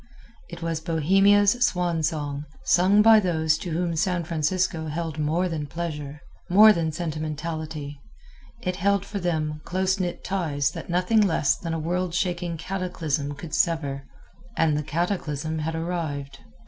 It was Bohemia's Swan Song, sung by those to whom San Francisco held more than pleasure more than sentimentality. It held for them close knit ties that nothing less than a worldshaking cataclysm could sever and the cataclysm had arrived.